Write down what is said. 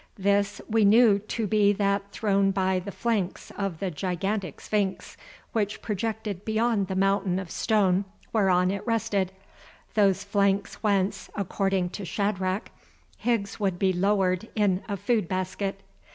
This we knew to be that thrown by the flanks of the gigantic sphinx which projected beyond the mountain of stone whereon it rested, those flanks whence, according to Shadrach, Higgs would be lowered in a food basket.